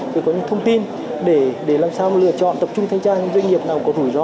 phải có những thông tin để làm sao lựa chọn tập trung thanh tra những doanh nghiệp nào có rủi ro